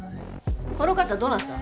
この方どなた？